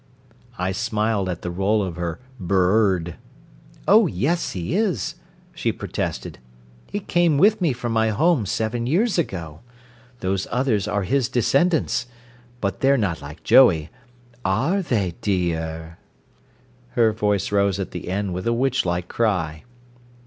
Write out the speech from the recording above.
I smiled at the roll of her "bir rrd." "Oh yes, he is," she protested. "He came with me from my home seven years ago. Those others are his descendants but they're not like Joey are they, dee urr?" Her voice rose at the end with a witch like cry.